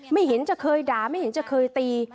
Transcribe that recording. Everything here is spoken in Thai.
ไม่เห็นจะเคยด่าไม่เห็นจะเคยตี